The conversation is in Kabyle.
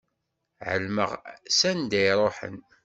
Ɛelmeɣ s anda i iruḥen.